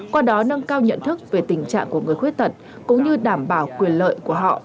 qua đó nâng cao nhận thức về tình trạng của người khuyết tật cũng như đảm bảo quyền lợi của họ